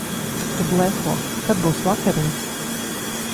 Tu blefo. Kad būs vakariņas?